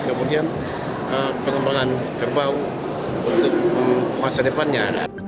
kemudian pengembangan kerbau untuk masa depannya